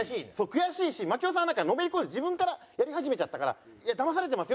悔しいし槙尾さんはなんかのめり込んで自分からやり始めちゃったからだまされてます